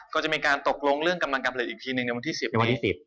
ก็จะมีการตกลงเรื่องกำลังการผลิตอีกทีหนึ่งในวันที่๑๐